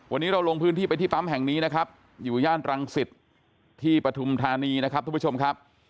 วันนี้เราลงพื้นที่ไปที่ปั๊มแห่งนี้นะครับอยู่ย่านรังสิตที่ปฐุมธานีนะครับทุกผู้ชมครับ